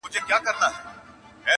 فکر بايد بدل سي ژر,